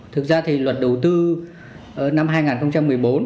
thực ra thì luật đầu tư năm hai nghìn một mươi bốn